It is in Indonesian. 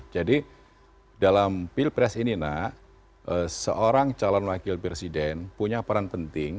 jadi dalam pil pres ini nak seorang calon wakil presiden punya peran penting